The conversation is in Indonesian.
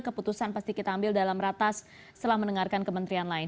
keputusan pasti kita ambil dalam ratas setelah mendengarkan kementerian lain